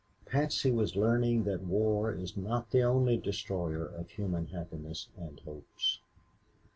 Patsy was learning that war is not the only destroyer of human happiness and hopes.